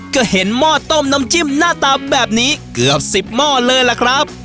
ก็เห็นหม้อต้มน้ำจิ้มหน้าตาแบบนี้เกือบ๑๐หม้อเลยล่ะครับ